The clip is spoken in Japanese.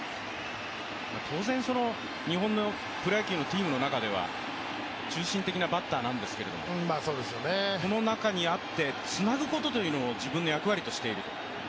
当然、日本のプロ野球のチームの中では中心的なバッターなんですがこの中にあって、つなぐことというのを自分の役割としている。